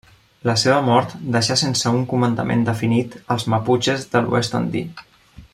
La seva mort deixà sense un comandament definit als maputxes de l'oest andí.